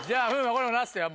これラストよ